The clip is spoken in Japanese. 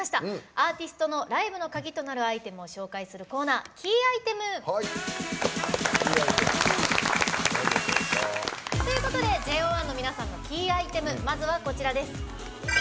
アーティストのライブの鍵となるアイテムを紹介するコーナー「ＫＥＹｉｔｅｍ」。ということでＪＯ１の皆さんのキーアイテム、まずはこちら。